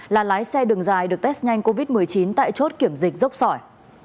là lái xe đường dài được test nhanh covid một mươi chín tại chốt kiểm dịch dốc sỏi